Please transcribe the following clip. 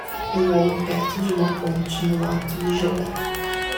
Um homem perto de uma ponte no ato de jogar